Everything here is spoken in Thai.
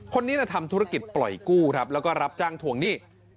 คนนี้ทำธุรกิจปล่อยกู้ครับแล้วก็รับจ้างทวงหนี้